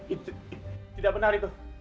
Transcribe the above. itu tidak benar itu